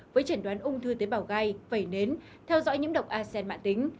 với triển đoán ung thư tế bào gai phẩy nến theo dõi nhiễm độc arsen mạng tính